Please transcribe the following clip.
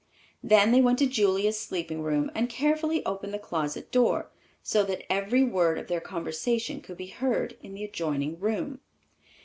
They then went to Julia's sleeping room and carefully opened the closet door, so that every word of their conversation could be heard in the adjoining room.